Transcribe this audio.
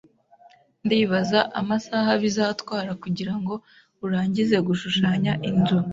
Ndibaza amasaha bizatwara kugirango urangize gushushanya inzu.